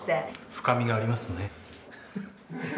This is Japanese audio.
深みがありますね。